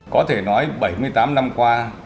có thể nói bảy mươi tám năm qua